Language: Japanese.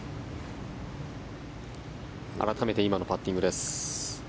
改めて今のパッティングです。